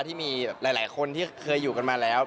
ที่มีหลายคนที่เคยอยู่กันมาแล้ว